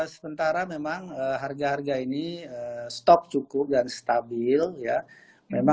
sementara memang harga harga ini stop cukup dan stabil ya